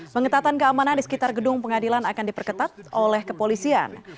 pengetatan keamanan di sekitar gedung pengadilan akan diperketat oleh kepolisian